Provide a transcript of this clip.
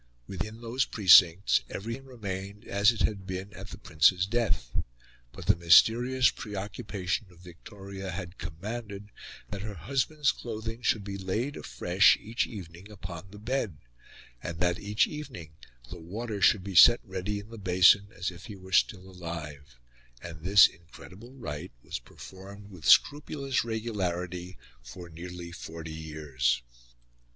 Within those precincts everything remained as it had been at the Prince's death; but the mysterious preoccupation of Victoria had commanded that her husband's clothing should be laid afresh, each evening, upon the bed, and that, each evening, the water should be set ready in the basin, as if he were still alive; and this incredible rite was performed with scrupulous regularity for nearly forty years.